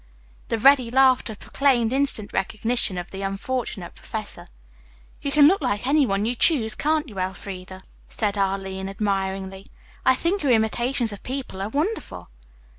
The ready laughter proclaimed instant recognition of the unfortunate professor. "You can look like any one you choose, can't you, Elfreda?" said Arline admiringly. "I think your imitations of people are wonderful."